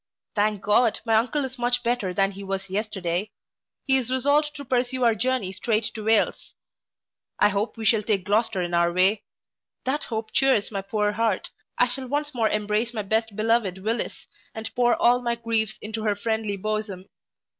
Thank God, my uncle is much better than he was yesterday. He is resolved to pursue our journey strait to Wales. I hope we shall take Gloucester in our way that hope chears my poor heart I shall once more embrace my best beloved Willis, and pour all my griefs into her friendly bosom.